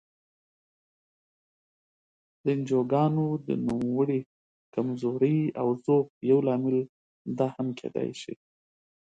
د انجوګانو د نوموړې کمزورۍ او ضعف یو لامل دا هم کېدای شي.